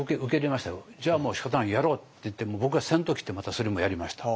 じゃあもうしかたないやろうって言って僕は先頭切ってまたそれもやりました。